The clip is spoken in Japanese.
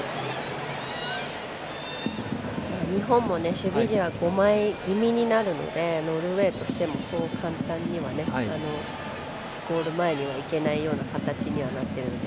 日本も守備陣は５枚気味になるのでノルウェーとしてもそう簡単にはゴール前には行けないような形になっているんで。